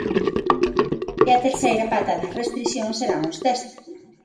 E a terceira pata das restricións serán os test.